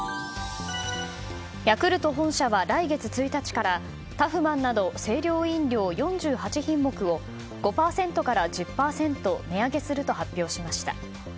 ヤクルト本社は来月１日からタフマンなど清涼飲料４８品目を５％から１０％値上げすると発表しました。